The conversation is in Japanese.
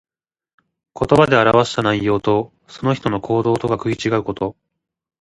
言葉で表した内容と、その人の行動とが食い違うこと。